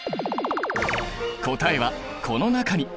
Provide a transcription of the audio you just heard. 答えはこの中に。